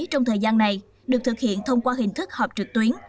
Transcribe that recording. trong thời gian này được thực hiện thông qua hình thức họp trực tuyến